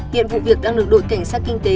hiện vụ việc đang được đội cảnh sát kinh tế